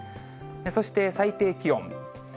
そして最低気温。